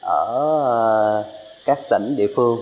ở các tỉnh địa phương